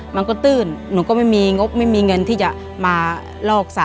ตื้นหนูก็ไม่มีงบไม่มีเงินที่จะมาลอกสระ